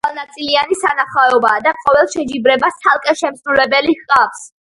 კორიდა მრავალნაწილიანი სანახაობაა და ყოველ შეჯიბრებას ცალკე შემსრულებელი ჰყავს.